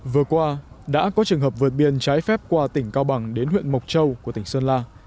vừa qua đã có trường hợp vượt biên trái phép qua tỉnh cao bằng đến huyện mộc châu của tỉnh sơn la